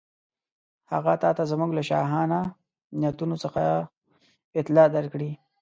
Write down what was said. هغه تاته زموږ له شاهانه نیتونو څخه اطلاع درکړې.